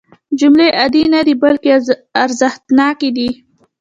جملې عادي نه دي بلکې ارزښتناکې دي.